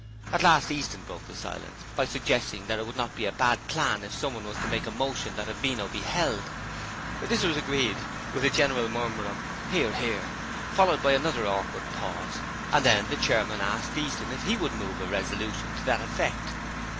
At last Easton broke the silence by suggesting that it would not be a bad plan if someone was to make a motion that a Beano be held. This was greeted with a general murmur of 'Hear, hear,' followed by another awkward pause, and then the chairman asked Easton if he would move a resolution to that effect.